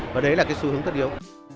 và đấy là cái xu hướng tất yếu